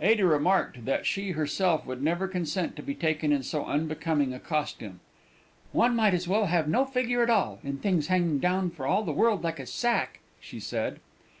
Ada remarked that she herself would never consent to be taken in so unbecoming a costume. "One might as well have no figure at all in things hanging down for all the world like a sack," she said.